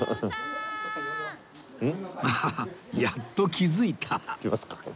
アハハやっと気づいた